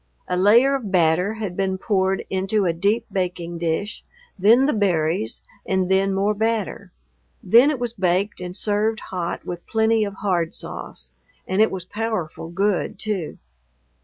A layer of batter had been poured into a deep baking dish, then the berries, and then more batter. Then it was baked and served hot with plenty of hard sauce; and it was powerful good, too.